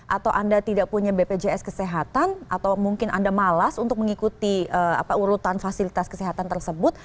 atau anda tidak punya bpjs kesehatan atau mungkin anda malas untuk mengikuti urutan fasilitas kesehatan tersebut